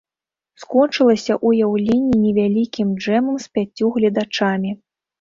Скончылася ўяўленне невялікім джэмам з пяццю гледачамі.